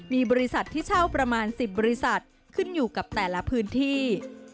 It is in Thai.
มีบริษัทที่เช่าประมาณ๑๐บริษัทขึ้นอยู่กับแต่ละพื้นที่